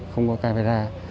không có camera